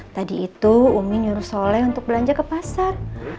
tadi itu umi nyuruh soleh untuk belanja ke pasar